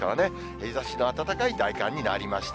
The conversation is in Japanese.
日ざしの暖かい大寒になりました。